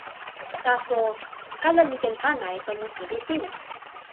taso, kala li ken pana e tomo suli sin!